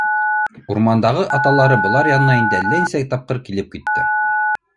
Урмандағы аталары былар янына инде әллә нисә тапҡыр килеп китте.